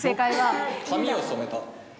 髪を染めた。